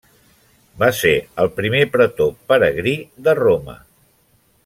Va ser el primer pretor peregrí de Roma.